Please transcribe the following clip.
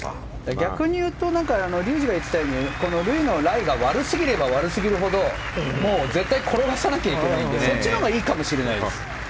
逆に言うと竜二が言ってたようにルイのライが悪すぎれば、悪すぎるほど絶対転がさないといけないのでそっちのほうがいいかもしれないです。